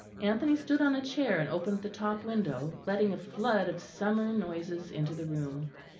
Anthony stood on a chair and opened the top window, letting a flood of summer noises into the room.